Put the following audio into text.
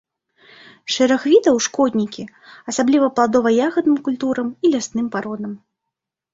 Шэраг відаў шкоднікі, асабліва пладова-ягадным культурам і лясным пародам.